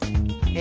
え！